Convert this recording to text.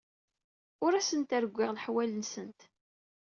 Ur asent-rewwiɣ leḥwal-nsent.